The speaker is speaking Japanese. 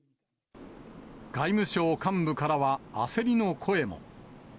外務省幹部からは焦りの声も。